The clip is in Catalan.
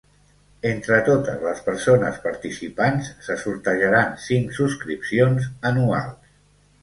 Entre totes les persones participants se sortejaran cinc subscripcions anuals.